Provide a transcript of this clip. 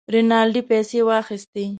رینالډي پیسې واخیستې.